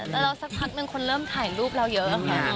แต่เราสักครั้งในคุณเริ่มถ่ายรูปเราเยอะค่ะ